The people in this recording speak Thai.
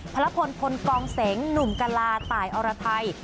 พระละพลพลกองเสงหนุ่มกะลาตายอรไทย